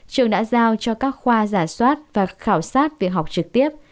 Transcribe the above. trường đã giao cho các khoa giả soát và khảo sát việc học trực tiếp